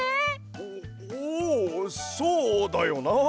おおうそうだよな。